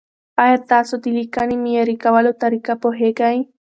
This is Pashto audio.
ایا تاسو د لیکنې معیاري کولو طریقه پوهېږئ؟